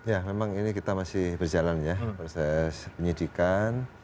ya memang ini kita masih berjalan ya proses penyidikan